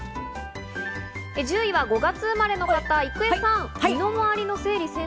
１０位は５月生まれの方、郁恵さん。